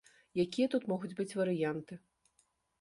Якія тут могуць быць варыянты.